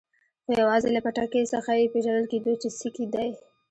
خو یوازې له پټکي څخه یې پېژندل کېدو چې سېک دی.